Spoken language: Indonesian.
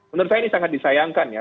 menurut saya ini sangat disayangkan ya